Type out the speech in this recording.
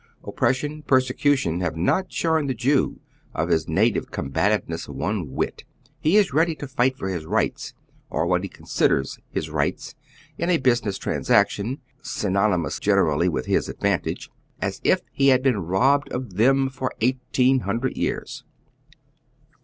Oppression, persecution, have not shorn the Jew of his native eombativeness one whit. He 13 as ready to fight for hia rights, or what he considers his [lo..ecovGa.t>gk 110 HOW THE OTHER HALF LIVES. rights, in a business transaction— synonymous generally with his advantage — as if he had not been robbed of them' for eighteen linndred years.